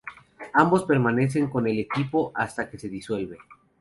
Ambos permanecen con el equipo hasta que se disuelve.